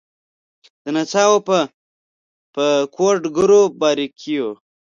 د نڅاوو په کوډګرو باریکېو